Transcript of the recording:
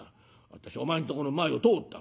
私お前んとこの前を通った。